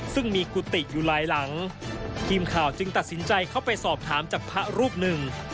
ซึ่งมีกุฏิอยู่หลายหลังทีมข่าวจึงตัดสินใจเข้าไปสอบถามจากพระรูปหนึ่ง